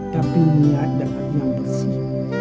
tapi menyadarkan yang bersih